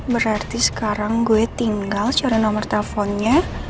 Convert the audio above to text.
berarti sekarang gue tinggal cari nomor teleponnya